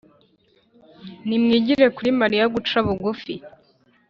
nimwigire kuri mariya guca bugufi